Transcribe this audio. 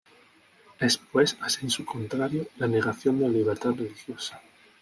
Es pues, a "sensu contrario", la negación de la libertad religiosa.